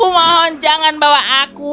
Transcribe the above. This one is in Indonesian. kumohon jangan bawa aku